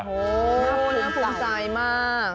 โหน่าภูมิใจมาก